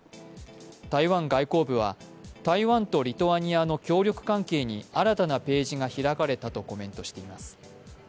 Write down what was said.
台湾外交部は台湾とリトアニアの協力関係に新たなページが開かれたとコメントしています。